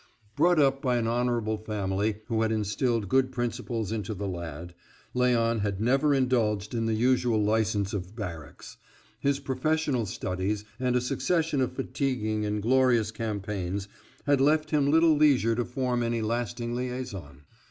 Brought up by an honorable family who had instilled good principles into the lad, Léon had never indulged in the usual license of barracks; his professional studies, and a succession of fatiguing and glorious campaigns, had left him little leisure to form any lasting liaison.